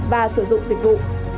và sử dụng dịch vụ